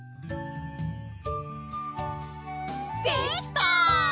できた！